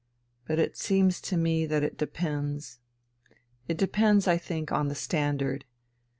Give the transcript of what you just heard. But it seems to me that it depends ... it depends, I think, on the standard.